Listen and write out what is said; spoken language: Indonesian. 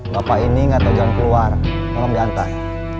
bapak ini nggak tahu jangan keluar tolong diantar